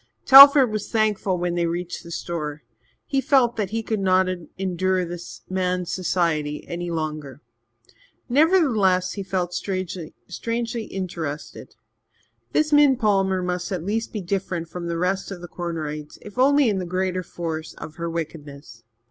Telford was thankful when they reached the store. He felt that he could not endure this man's society any longer. Nevertheless, he felt strangely interested. This Min Palmer must at least be different from the rest of the Cornerites, if only in the greater force of her wickedness.